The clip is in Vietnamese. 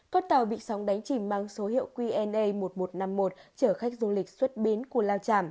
con tàu bị sóng đánh chìm mang số hiệu qna một nghìn một trăm năm mươi một chở khách du lịch xuất biến cú lao chảm